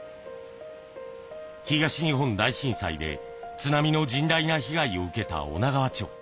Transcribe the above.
東日本大震災で津波の甚大な被害を受けた女川町。